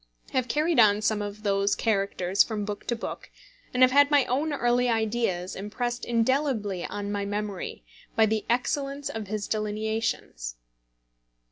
I have carried on some of those characters from book to book, and have had my own early ideas impressed indelibly on my memory by the excellence of his delineations.